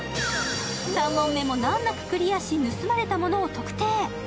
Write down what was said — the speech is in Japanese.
３問目も難なくクリアし、盗まれたものを特定。